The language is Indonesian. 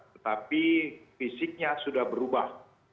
tetapi fisiknya sudah berubah